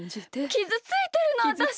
きずついてるのわたし。